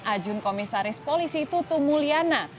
ajun komisaris polisi tutu mulyana